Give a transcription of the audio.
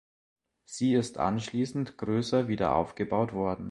Sie ist anschließend größer wieder aufgebaut worden.